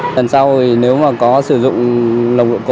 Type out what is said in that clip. tuần sau thì nếu mà có sử dụng nồng độ cồn